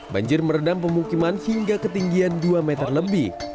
banjir merendam pemukiman hingga ketinggian dua meter lebih